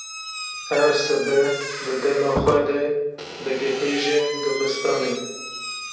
Her sibeh di dema xwe de digihêje dibistanê.